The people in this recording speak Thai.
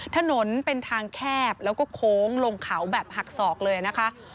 ถนนเป็นทางแคบแล้วก็โค้งลงเขาแบบหักศอกเลยนะคะ